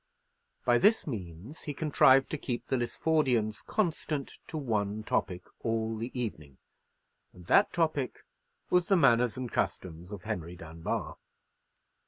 By this means he contrived to keep the Lisfordians constant to one topic all the evening, and that topic was the manners and customs of Henry Dunbar.